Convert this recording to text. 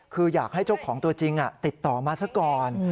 คืออยากให้เจ้าของตัวจริงติดต่อมาซะก่อน